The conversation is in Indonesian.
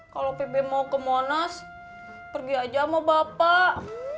kalo pih pih mau ke monas pergi aja sama bapak